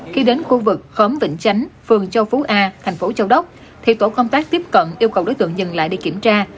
khi đến khu vực khóm vĩnh chánh phường châu phú a thành phố châu đốc thì tổ công tác tiếp cận yêu cầu đối tượng dừng lại để kiểm tra